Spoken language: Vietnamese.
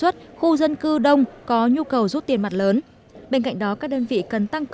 tết của người dân